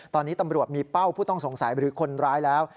ตอนนี้ตำรวจมีเป้าผู้ต้องสงสัยหรือคนร้ายแล้ว